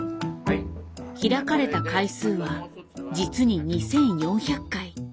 開かれた回数は実に２，４００回。